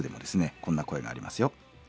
こんな声がありますよ。